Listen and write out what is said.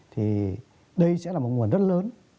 thì đây sẽ là một nguồn rất lớn